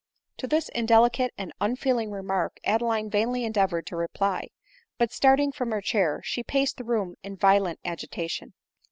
To this indelicate Mid unfeeling remark Adeline vainly endeavored to reply ; but, starting from her chair, she paced the room in violent agitation.